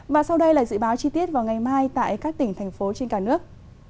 và sau đây là dự báo chi tiết vào ngày mai tại các tỉnh thành phố trên cả nước